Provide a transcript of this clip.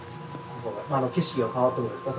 景色が変わってもですか？